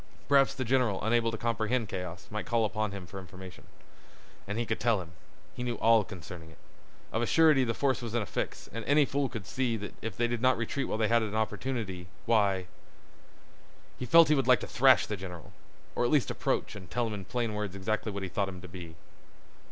Perhaps the general, unable to comprehend chaos, might call upon him for information. And he could tell him. He knew all concerning it. Of a surety the force was in a fix, and any fool could see that if they did not retreat while they had opportunity—why— He felt that he would like to thrash the general, or at least approach and tell him in plain words exactly what he thought him to be.